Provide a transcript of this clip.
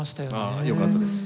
ああよかったです。